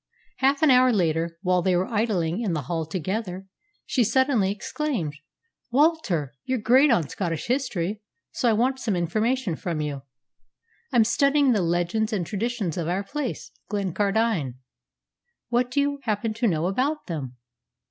Half an hour later, while they were idling in the hall together, she suddenly exclaimed, "Walter, you're great on Scottish history, so I want some information from you. I'm studying the legends and traditions of our place, Glencardine. What do you happen to know about them?"